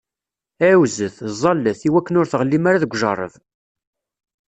Ɛiwzet, ẓẓallet, iwakken ur tɣellim ara deg ujeṛṛeb!